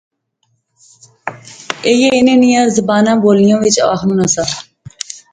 ایہھے انیں نیاں زباناں بولیا وچ آخنونا سا